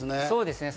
そうですね。